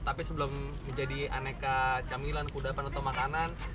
tapi sebelum menjadi aneka camilan kudapan atau makanan